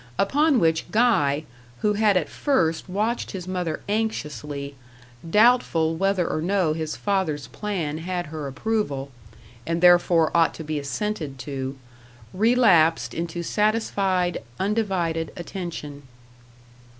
Upon which Guy, who had at first watched his mother anxiously, doubtful whether or no his father's plan had her approval, and therefore ought to be assented to, relapsed into satisfied, undivided attention.